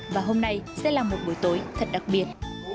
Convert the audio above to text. và hôm nay sẽ là một buổi tối thật đặc biệt